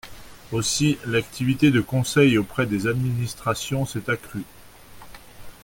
Aussi, l’activité de conseil auprès des administrations s’est accrue.